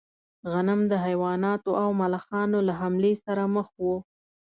غنم د حیواناتو او ملخانو له حملې سره مخ و.